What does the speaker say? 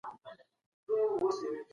د روزګار رامنځته کولو کي ونډه لري.